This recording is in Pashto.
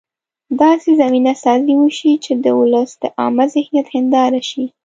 داسې زمینه سازي وشي چې د ولس د عامه ذهنیت هنداره شي.